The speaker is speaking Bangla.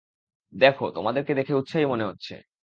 দেখো, তোমাদেরকে দেখে উৎসাহী মনে হচ্ছে।